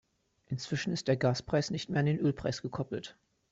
Inzwischen ist der Gaspreis nicht mehr an den Ölpreis gekoppelt.